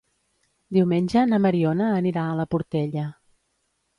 Diumenge na Mariona anirà a la Portella.